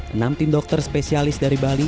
enam tim dokter spesialis dari bali